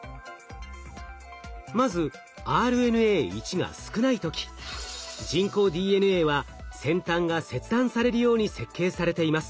まずＲＮＡ１が少ない時人工ＤＮＡは先端が切断されるように設計されています。